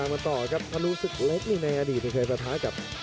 ภารุสึกเล็กในอดีตเคยประท้ากับ